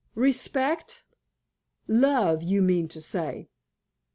"Respect? Love, you mean to say."